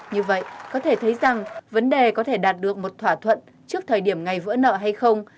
như vậy có thể thấy rằng vấn đề có thể đạt được một thỏa thuận trước thời điểm ngày vỡ nợ hay không